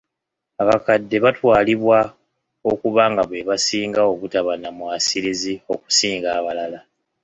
Abakadde batwalibwa okuba nga be basinga obutaba na mwasirizi okusinga abalala.